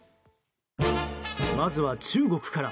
まずは中国から。